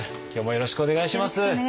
よろしくお願いします。